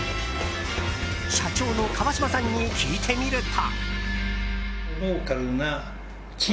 社長の川島さんに聞いてみると。